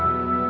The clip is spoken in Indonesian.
aku mau bantuin